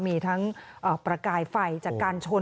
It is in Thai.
มีทั้งประกายไฟจากการชน